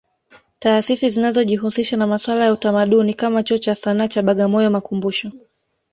Taasisi zinazojihusisha na masuala ya utamaduni kama Chuo cha Sanaa cha Bagamoyo makumbusho